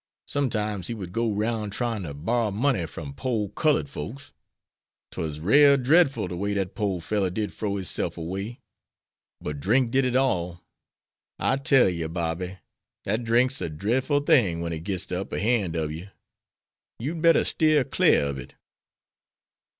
Sometimes he would go 'roun' tryin' to borrer money from pore cullud folks. 'Twas rale drefful de way dat pore feller did frow hisself away. But drink did it all. I tell you, Bobby, dat drink's a drefful thing wen it gits de upper han' ob you. You'd better steer clar ob it."